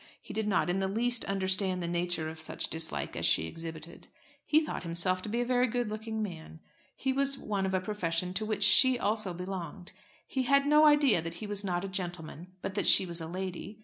He did not in the least understand the nature of such dislike as she exhibited. He thought himself to be a very good looking man. He was one of a profession to which she also belonged. He had no idea that he was not a gentleman but that she was a lady.